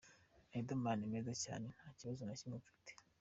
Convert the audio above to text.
Riderman : Ni meza cyane nta kibazo na kimwe mfite.